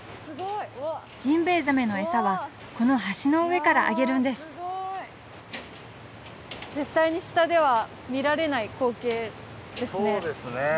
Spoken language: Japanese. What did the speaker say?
ジンベエザメの餌はこの橋の上からあげるんです絶対に下では見られない光景ですね。